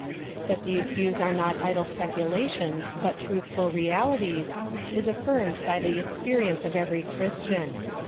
That these views are not idle speculations, but truthful realities, is affirmed by the experience of every Christian.